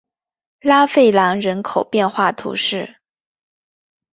拉费兰人口变化图示